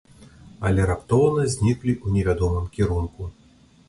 Але раптоўна зніклі ў невядомым кірунку.